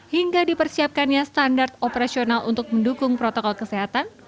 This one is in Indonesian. hingga dipersiapkannya standar operasional untuk mendukung protokol kesehatan